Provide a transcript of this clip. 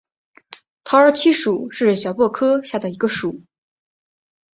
桃儿七属是小檗科下的一个属。